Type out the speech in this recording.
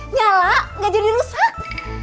nyala gak jadi rusak